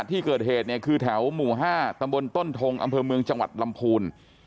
ที่เกิดเหตุเนี่ยคือแถวหมู่๕ตำบลต้นทงอำเภอเมืองจังหวัดลำพูน